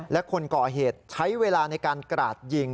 และคนก่อเหตุใช้เวลาในการกราดยิง